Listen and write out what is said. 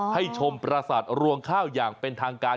ให้ชมประสาทรวงข้าวอย่างเป็นทางการ